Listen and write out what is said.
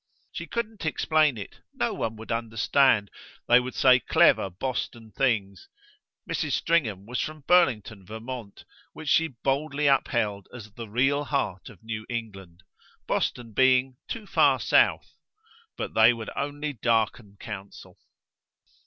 She couldn't explain it no one would understand. They would say clever Boston things Mrs. Stringham was from Burlington Vermont, which she boldly upheld as the real heart of New England, Boston being "too far south" but they would only darken counsel.